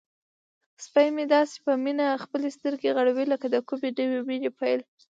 سپی مې داسې په مینه خپلې سترګې غړوي لکه د کومې نوې مینې پیل.